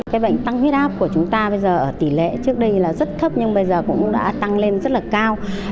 cái bệnh tăng huyết áp của chúng ta bây giờ ở tỷ lệ trước đây là rất thấp nhưng bây giờ cũng đã tăng lên rất là cao